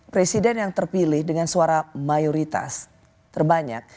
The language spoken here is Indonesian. presiden yang terpilih dengan suara mayoritas terbanyak